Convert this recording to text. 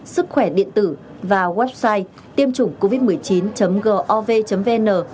sức khỏe điện tử và website tiêm chủngcovid một mươi chín gov vn